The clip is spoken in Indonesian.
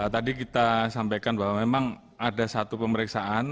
tadi kita sampaikan bahwa memang ada satu pemeriksaan